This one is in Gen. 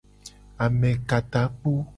Amekatakpo.